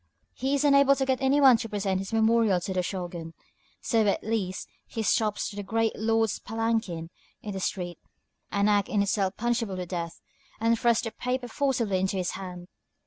He is unable to get any one to present his memorial to the Shōgun, so at last he stops the great lord's palanquin in the street, an act in itself punishable with death, and thrusts the paper forcibly into his hand.